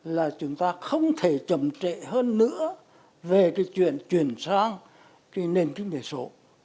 là chúng ta không thể chậm trệ hơn nữa về cái chuyện chuyển sang cái nền kinh tế số